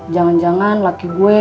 jangan jangan laki gue